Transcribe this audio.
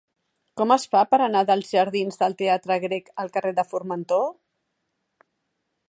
Com es fa per anar dels jardins del Teatre Grec al carrer de Formentor?